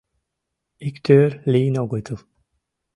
Иктӧр лийын огытыл.